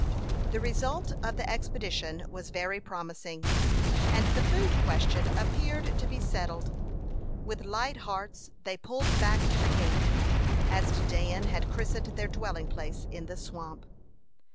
The result of the expedition was very promising, and the food question appeared to be settled. With light hearts they pulled back to the camp, as Dan had christened their dwelling place in the swamp.